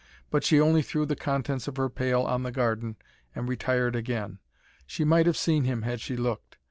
But she only threw the contents of her pail on the garden and retired again. She might have seen him had she looked.